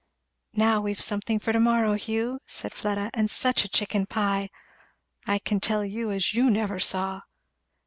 "Now we've something for to morrow, Hugh!" said Fleda; "and such a chicken pie I can tell you as you never saw.